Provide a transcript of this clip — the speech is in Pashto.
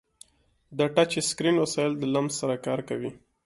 د ټچ اسکرین وسایل د لمس سره کار کوي.